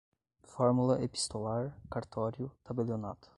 fórmula epistolar, cartório, tabelionato